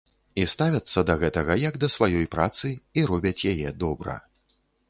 І ставяцца да гэтага як да сваёй працы і робяць яе добра.